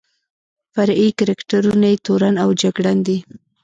فرعي کرکټرونه یې تورن او جګړن دي.